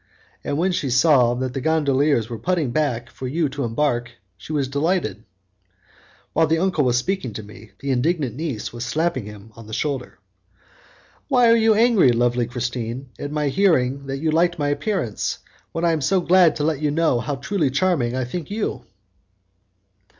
And when she saw that the gondoliers were putting back for you to embark she was delighted." While the uncle was speaking to me, the indignant niece was slapping him on the shoulder. "Why are you angry, lovely Christine, at my hearing that you liked my appearance, when I am so glad to let you know how truly charming I think you?"